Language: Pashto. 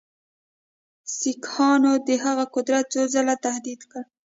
سیکهانو د هغه قدرت څو ځله تهدید کړ.